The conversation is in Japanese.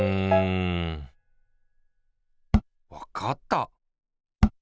わかった！